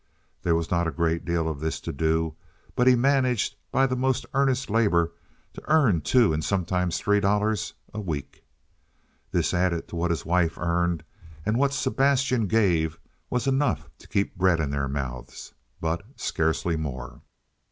There was not a great deal of this to do, but he managed, by the most earnest labor to earn two, and sometimes three, dollars a week. This added to what his wife earned and what Sebastian gave was enough to keep bread in their mouths, but scarcely more.